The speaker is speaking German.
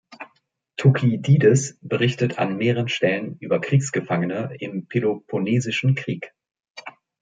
Thukydides berichtet an mehreren Stellen über Kriegsgefangene im Peloponnesischen Krieg.